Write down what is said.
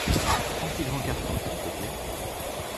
Prends ces grands cartons, s'il te plaît.